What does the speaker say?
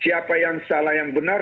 siapa yang salah yang benar